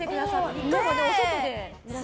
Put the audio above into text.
１回はお外で。